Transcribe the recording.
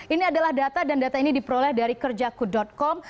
ini adalah data dan data ini diperoleh dari kerjaku com